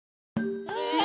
え！？